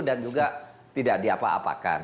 dan juga tidak diapa apakan